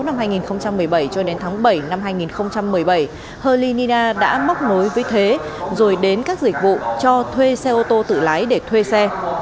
năm hai nghìn một mươi bảy cho đến tháng bảy năm hai nghìn một mươi bảy hơ lina đã móc nối với thế rồi đến các dịch vụ cho thuê xe ô tô tự lái để thuê xe